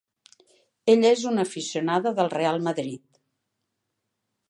Ella és una aficionada del Real Madrid.